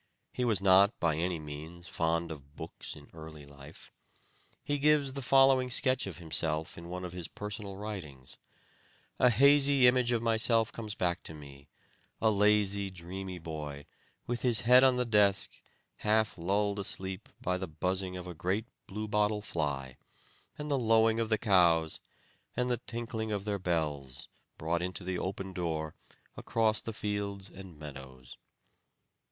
He was not, by any means, fond of books in early life. He gives the following sketch of himself in one of his personal writings: 'A hazy image of myself comes back to me a lazy, dreamy boy, with his head on the desk, half lulled asleep by the buzzing of a great blue bottle fly, and the lowing of the cows, and the tinkling of their bells, brought into the open door, across the fields and meadows.'